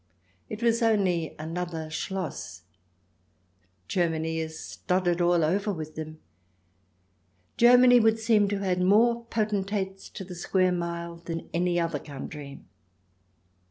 It was only another Schloss : Germany is studded all over with them. Germany would seem to have had more potentates to the square mile than any other country.